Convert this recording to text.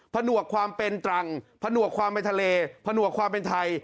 ผนวกความเป็นตรังผนวกความเป็นทะเลผนวกความเป็นไทย